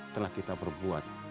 telah kita perbuat